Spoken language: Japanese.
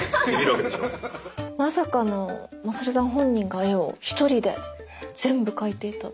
まさかの勝さん本人が絵を一人で全部描いていたって。